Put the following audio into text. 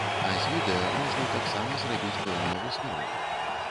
А з відэа таксама можна зрабіць пэўныя высновы.